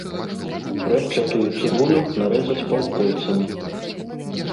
Рэпчатую цыбулю нарэзаць паўкольцамі.